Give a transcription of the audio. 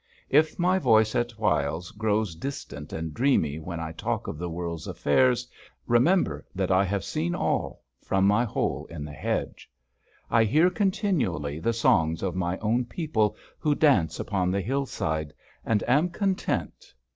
If my voice at whiles grows distant and dreamy when I talk of the world's affairs, remember that I have seen all from my hole in the hedge. I hear continually the songs of my own people who dance upon the hill side, and am content.